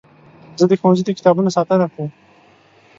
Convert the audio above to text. زه د ښوونځي د کتابونو ساتنه کوم.